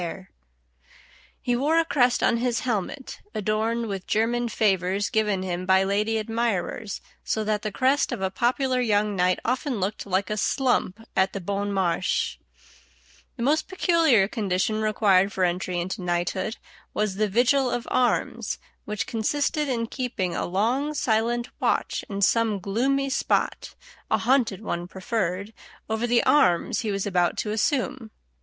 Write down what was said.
[Illustration: CREST OF A POPULAR KNIGHT.] He wore a crest on his helmet adorned with German favors given him by lady admirers, so that the crest of a popular young knight often looked like a slump at the Bon Marché. [Illustration: THE "VIGIL OF ARMS."] The most peculiar condition required for entry into knighthood was the "vigil of arms," which consisted in keeping a long silent watch in some gloomy spot a haunted one preferred over the arms he was about to assume.